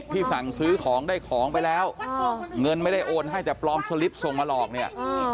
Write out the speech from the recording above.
สั่งซื้อของได้ของไปแล้วเงินไม่ได้โอนให้แต่ปลอมสลิปส่งมาหลอกเนี่ย